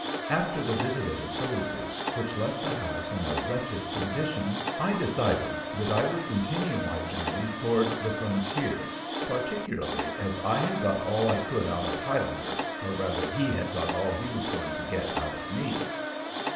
After the visit of the soldiers, which left the house in a wretched condition, I decided that I would continue my journey toward the frontier, particularly as I had got all I could out of Huyliger, or rather he had got all he was going to get out of me.